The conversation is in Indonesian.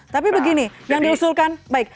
tapi begini yang diusulkan baik